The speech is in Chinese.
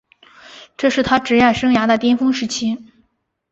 这是他职业生涯的巅峰时期。